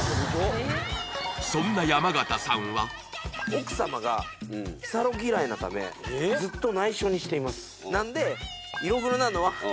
そんな奥様が日サロ嫌いなためええずっと内緒にしています